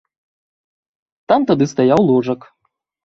Там тады стаяў ложак.